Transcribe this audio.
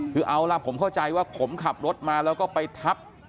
คือเอาล่ะผมเข้าใจว่าผมขับรถมาแล้วก็ไปทับ